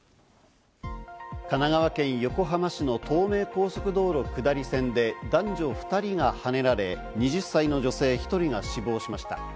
神奈川県横浜市の東名高速道路下り線で男女２人がはねられ、２０歳の女性１人が死亡しました。